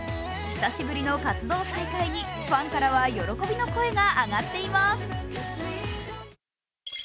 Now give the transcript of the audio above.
久しぶりの活動再開にファンからは喜びの声が上がっています。